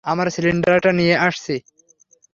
আমার সিলিন্ডারটা নিয়ে আসছি।